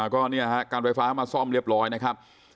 ก็เนี่ยฮะการไฟฟ้ามาซ่อมเรียบร้อยนะครับ